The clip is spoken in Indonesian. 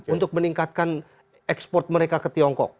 untuk meningkatkan ekspor mereka ke tiongkok